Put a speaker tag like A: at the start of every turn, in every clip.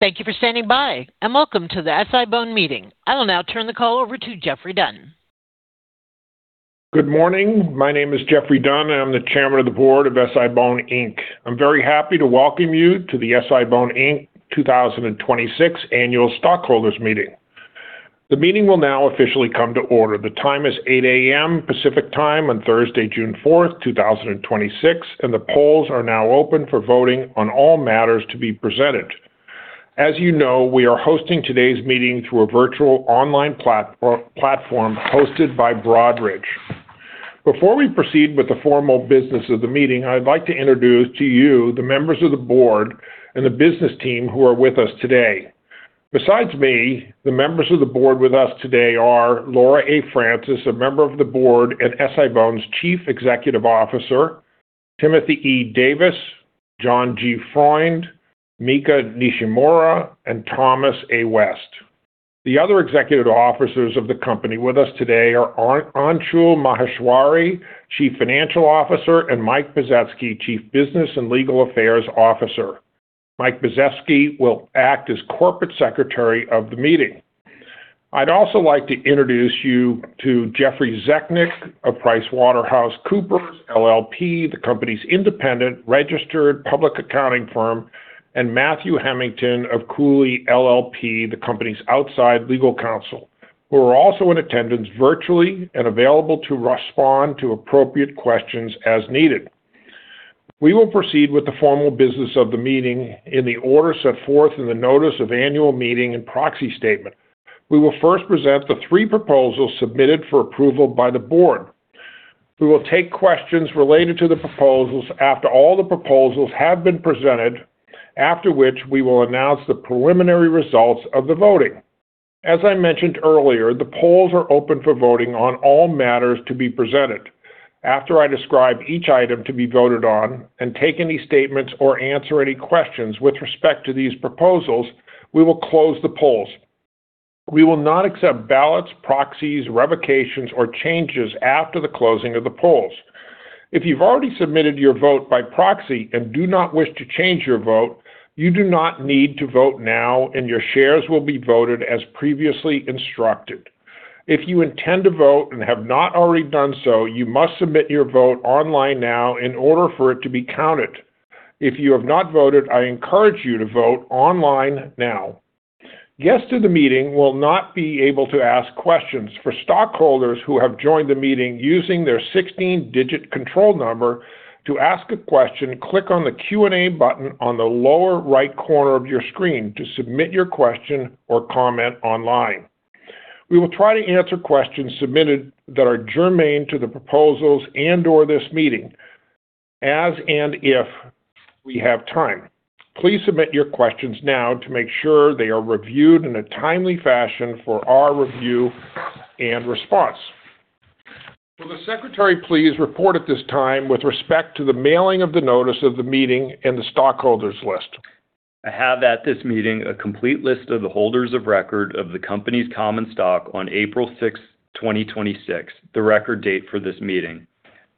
A: Thank you for standing by, and welcome to the SI-BONE meeting. I will now turn the call over to Jeffrey Dunn.
B: Good morning. My name is Jeffrey Dunn, and I'm the Chairman of the Board of SI-BONE Inc. I'm very happy to welcome you to the SI-BONE Inc. 2026 Annual Stockholders Meeting. The meeting will now officially come to order. The time is 8:00 A.M. Pacific Time on Thursday, June 4th, 2026, and the polls are now open for voting on all matters to be presented. As you know, we are hosting today's meeting through a virtual online platform hosted by Broadridge. Before we proceed with the formal business of the meeting, I'd like to introduce to you the members of the board and the business team who are with us today. Besides me, the members of the board with us today are Laura A. Francis, a member of the board and SI-BONE's Chief Executive Officer, Timothy E. Davis, John G. Freund, Mika Nishimura, and Thomas A. West. The other executive officers of the company with us today are Anshul Maheshwari, Chief Financial Officer, and Mike Pisetsky, Chief Business and Legal Affairs Officer. Mike Pisetsky will act as Corporate Secretary of the meeting. I'd also like to introduce you to Jeffrey Zellnik of PricewaterhouseCoopers LLP, the company's independent registered public accounting firm, and Matthew Hemington of Cooley LLP, the company's outside legal counsel, who are also in attendance virtually and available to respond to appropriate questions as needed. We will proceed with the formal business of the meeting in the order set forth in the notice of annual meeting and proxy statement. We will first present the three proposals submitted for approval by the board. We will take questions related to the proposals after all the proposals have been presented, after which we will announce the preliminary results of the voting. As I mentioned earlier, the polls are open for voting on all matters to be presented. After I describe each item to be voted on and take any statements or answer any questions with respect to these proposals, we will close the polls. We will not accept ballots, proxies, revocations, or changes after the closing of the polls. If you've already submitted your vote by proxy and do not wish to change your vote, you do not need to vote now, and your shares will be voted as previously instructed. If you intend to vote and have not already done so, you must submit your vote online now in order for it to be counted. If you have not voted, I encourage you to vote online now. Guests of the meeting will not be able to ask questions. For stockholders who have joined the meeting using their 16-digit control number, to ask a question, click on the Q&A button on the lower right corner of your screen to submit your question or comment online. We will try to answer questions submitted that are germane to the proposals and/or this meeting as and if we have time. Please submit your questions now to make sure they are reviewed in a timely fashion for our review and response. Will the secretary please report at this time with respect to the mailing of the notice of the meeting and the stockholders list?
C: I have at this meeting a complete list of the holders of record of the company's common stock on April 6th, 2026, the record date for this meeting.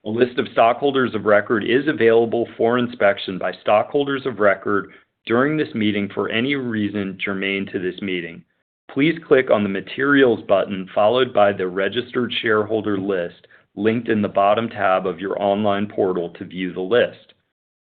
C: A list of stockholders of record is available for inspection by stockholders of record during this meeting for any reason germane to this meeting. Please click on the materials button, followed by the registered shareholder list linked in the bottom tab of your online portal to view the list.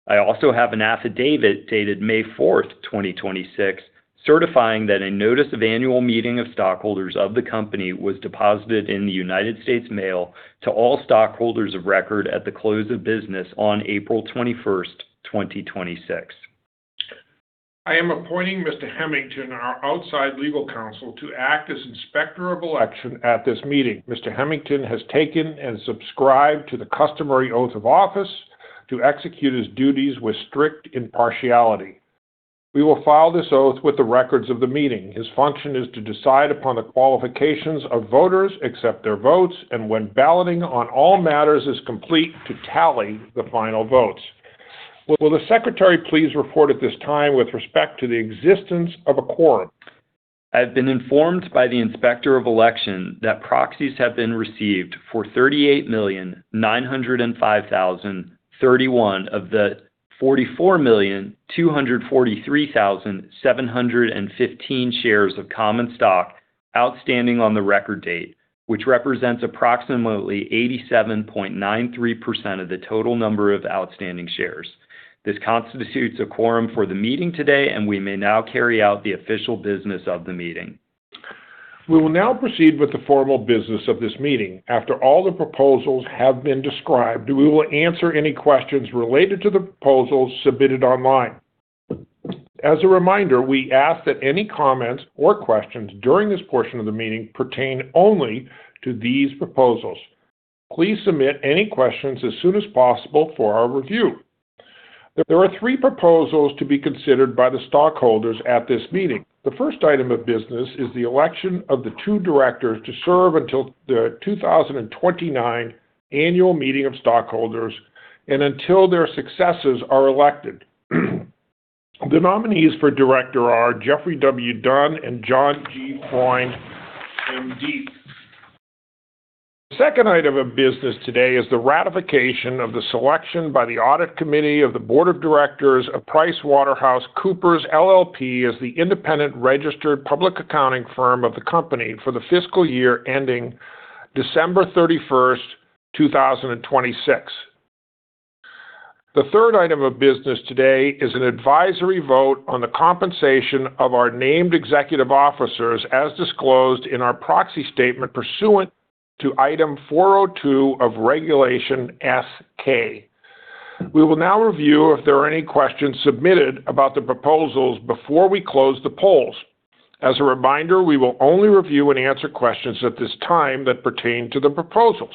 C: I also have an affidavit dated May 4th, 2026, certifying that a notice of annual meeting of stockholders of the company was deposited in the United States mail to all stockholders of record at the close of business on April 21st, 2026.
B: I am appointing Mr. Hemington, our outside legal counsel, to act as Inspector of Election at this meeting. Mr. Hemington has taken and subscribed to the customary oath of office to execute his duties with strict impartiality. We will file this oath with the records of the meeting. His function is to decide upon the qualifications of voters, accept their votes, and, when balloting on all matters is complete, to tally the final votes. Will the Secretary please report at this time with respect to the existence of a quorum?
C: I've been informed by the Inspector of Election that proxies have been received for 38,905,031 of the 44,243,715 shares of common stock outstanding on the record date, which represents approximately 87.93% of the total number of outstanding shares. This constitutes a quorum for the meeting today, and we may now carry out the official business of the meeting.
B: We will now proceed with the formal business of this meeting. After all the proposals have been described, we will answer any questions related to the proposals submitted online. As a reminder, we ask that any comments or questions during this portion of the meeting pertain only to these proposals. Please submit any questions as soon as possible for our review. There are three proposals to be considered by the stockholders at this meeting. The first item of business is the election of the two directors to serve until the 2029 annual meeting of stockholders and until their successors are elected. The nominees for director are Jeffrey W. Dunn and John G. The second item of business today is the ratification of the selection by the audit committee of the board of directors of PricewaterhouseCoopers LLP as the independent registered public accounting firm of the company for the fiscal year ending December 31st, 2026. The third item of business today is an advisory vote on the compensation of our named executive officers, as disclosed in our proxy statement pursuant to Item 402 of Regulation S-K. We will now review if there are any questions submitted about the proposals before we close the polls. As a reminder, we will only review and answer questions at this time that pertain to the proposals.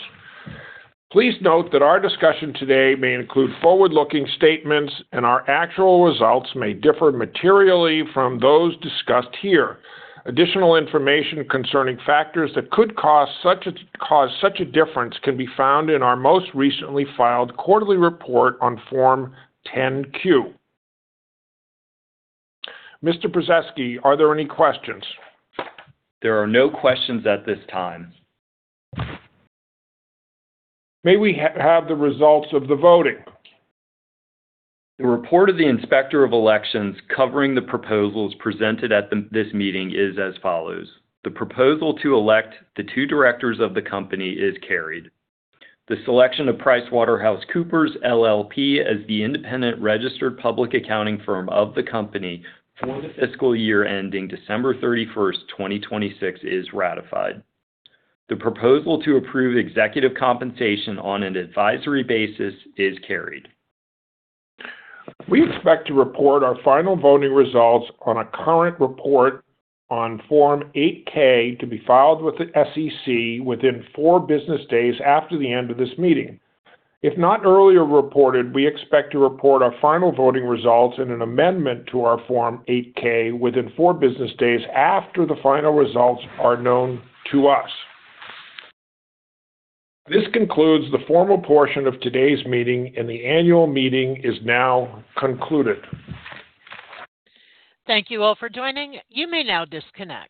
B: Please note that our discussion today may include forward-looking statements, and our actual results may differ materially from those discussed here. Additional information concerning factors that could cause such a difference can be found in our most recently filed quarterly report on Form 10-Q. Mr. Pisetsky, are there any questions?
C: There are no questions at this time.
B: May we have the results of the voting?
C: The report of the Inspector of Elections covering the proposals presented at this meeting is as follows. The proposal to elect the two directors of the company is carried. The selection of PricewaterhouseCoopers LLP as the independent registered public accounting firm of the company for the fiscal year ending December 31st, 2026, is ratified. The proposal to approve executive compensation on an advisory basis is carried.
B: We expect to report our final voting results on a current report on Form 8-K to be filed with the SEC within four business days after the end of this meeting. If not earlier reported, we expect to report our final voting results in an amendment to our Form 8-K within four business days after the final results are known to us. This concludes the formal portion of today's meeting. The annual meeting is now concluded. Thank you all for joining. You may now disconnect.